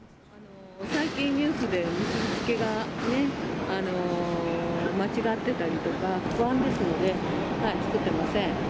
最近、ニュースで結び付けが間違ってたりとか、不安ですので、作ってません。